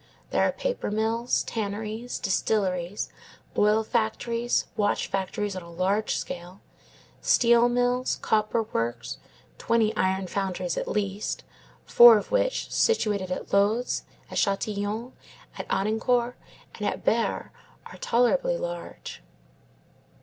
There are paper mills, tanneries, distilleries, oil factories, watch factories on a large scale, steel mills, copper works, twenty iron foundries at least, four of which, situated at Lods, at Châtillon, at Audincourt, and at Beure, are tolerably large.